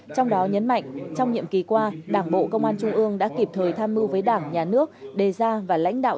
trong đó nhấn mạnh trong nhiệm ký qua đảng bộ công an trung ương đã kịp thời tham mưu với đảng nhà nước đề ra và lãnh đạo